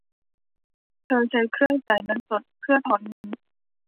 เธอใช้เครื่องจ่ายเงินสดเพื่อถอนเงิน